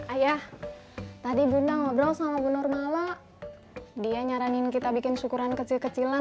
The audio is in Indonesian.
ayah tadi bunda ngobrol sama bu nurmala dia nyaranin kita bikin syukuran kecil kecilan